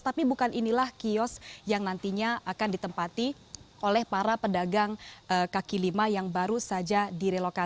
tapi bukan inilah kios yang nantinya akan ditempati oleh para penduduk